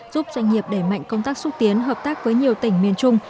giúp doanh nghiệp để mạnh công tác xuất tiến hợp tác với nhiều tỉnh miền trung